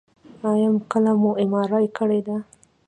ایا کله مو ام آر آی کړې ده؟